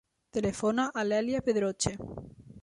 Telefona a l'Èlia Pedroche.